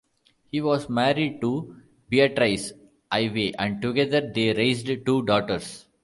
He was married to Beatrice Ivey and together they raised two daughters.